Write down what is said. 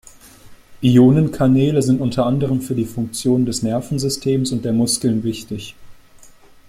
Ionenkanäle sind unter anderem für die Funktion des Nervensystems und der Muskeln wichtig.